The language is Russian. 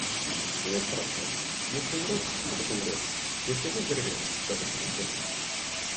Человек простой: если умрёт, то так умрёт, если выздоровеет, то и так выздоровеет.